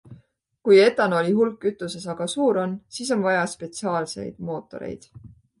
Kui etanooli hulk kütuses aga suur on, siis on vaja spetsiaalseid mootoreid.